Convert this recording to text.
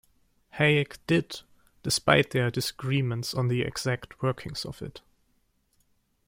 Hayek did, despite their disagreements on the exact workings of it.